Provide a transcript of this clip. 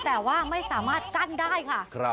แต่ว่าไม่สามารถกั้นได้ค่ะ